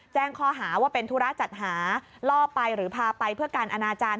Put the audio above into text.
แจ้งข้อหาว่าเป็นธุระจัดหาล่อไปหรือพาไปเพื่อการอนาจารย